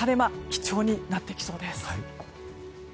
貴重になってきそうです。